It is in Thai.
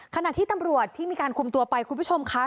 ขณะที่ตำรวจที่มีการคุมตัวไปคุณผู้ชมค่ะ